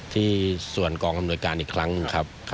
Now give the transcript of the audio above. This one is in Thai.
ที่ส่วนกองกำหนดการอีกครั้งครับ